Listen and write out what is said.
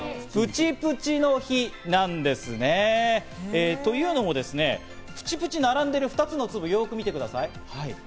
プチプチの日なんですね。というのも、プチプチ並んでいる２つの粒、よく見てください。